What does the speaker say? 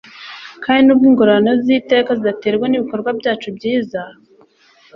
Kandi nubwo ingororano z'iteka zidaterwa n'ibikorwa byacu byiza,